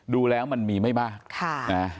ดูแล้วมันมีไหมบ้าง